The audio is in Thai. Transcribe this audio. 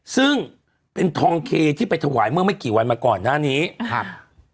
ซึ่งเป็นทองเคที่ไปถวายเมื่อไม่กี่วันมาก่อนหน้านี้ครับ